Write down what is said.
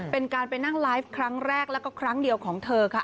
เป็นการไปนั่งไลฟ์ครั้งแรกแล้วก็ครั้งเดียวของเธอค่ะ